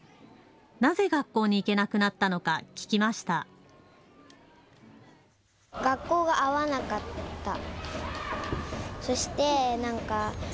なぜ学校に行けなくなったのか、聴きました。